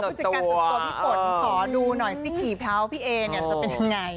ผู้จัดการส่วนตัวพี่ฝนขอดูหน่อยสิกี่เผาพี่เอเนี่ยจะเป็นยังไง